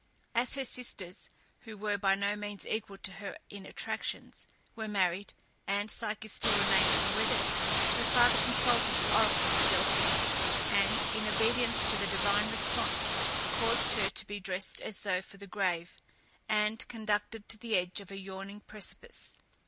As her sisters, who were by no means equal to her in attractions, were married, and Psyche still remained unwedded, her father consulted the oracle of Delphi, and, in obedience to the divine response, caused her to be dressed as though for the grave, and conducted to the edge of a yawning precipice.